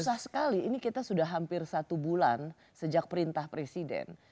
susah sekali ini kita sudah hampir satu bulan sejak perintah presiden